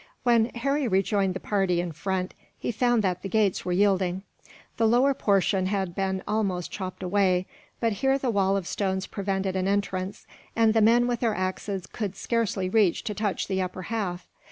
When Harry rejoined the party in front, he found that the gates were yielding. The lower portion had been almost chopped away; but here the wall of stones prevented an entrance, and the men with their axes could scarcely reach to touch the upper half.